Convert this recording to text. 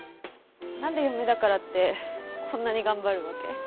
何で嫁だからってこんなに頑張るわけ？